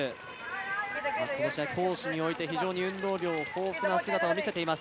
青、この試合、攻守において非常に運動量豊富な姿を見せています。